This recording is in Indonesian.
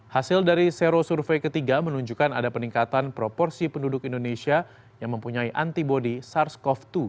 hasil dari sero survei ketiga menunjukkan ada peningkatan proporsi penduduk indonesia yang mempunyai antibody sars cov dua